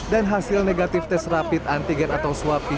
dan hasil negatif tes rapid antigen atau swab pcr